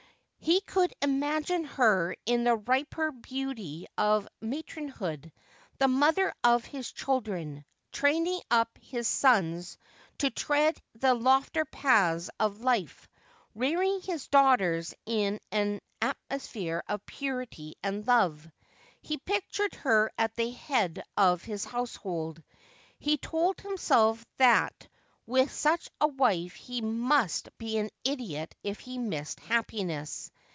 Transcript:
He could imagine her in the riper beauty of matronhood, the mother of his children, training up his sons to tread the loftier paths of life, rearing his daughters in an atmosphere of purity and love. He pictured her at the head of his household ; he told himself that with such a wife he must be an idiot if he missed happiness.